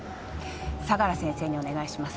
相良先生にお願いします。